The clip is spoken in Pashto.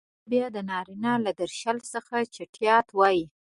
ښځه بيا د نارينه له درشل څخه چټيات وايي.